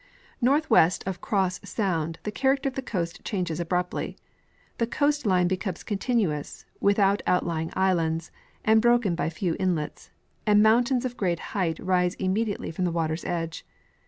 Northwest of Cross sound the character of the coast changes abruptly ; the coast line becomes continuous, without outlying islands, and broken by few inlets ; and mountains of great height rise immediately from the water's edge.